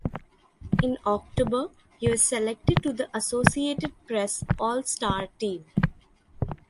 In October, he was selected to the Associated Press All-Star team.